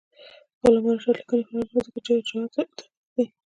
د علامه رشاد لیکنی هنر مهم دی ځکه چې ارجاعات دقیق دي.